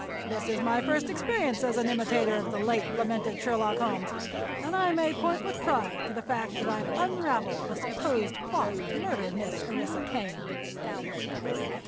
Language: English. This is my first experience as an imitator of the late lamented Sherlock Holmes, and I may point with pride to the fact that I've unraveled the supposed plot to murder Miss Orissa Kane."